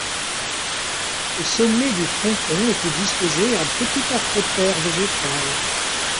Au sommet du fronton était disposé un petit acrotère végétal.